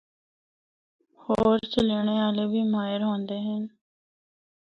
ہور چلانڑے آلے بھی ماہر ہوندے ہن۔